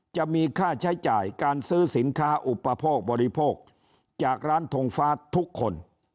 จะมีค่าใช้จ่ายการซื้อสินค้าอุปโภคบริโภคจากร้านทงฟ้าทุกคน